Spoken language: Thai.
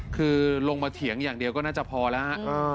คือลงมาเถียงอย่างเดียวก็น่าจะพอแล้วฮะ